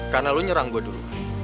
karena lo nyerang gue dulu